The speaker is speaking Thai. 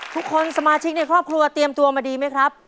สมาชิกในครอบครัวเตรียมตัวมาดีไหมครับ